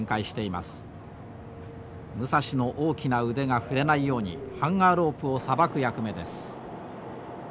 武蔵の大きな腕が触れないようにハンガー・ロープをさばく役目です。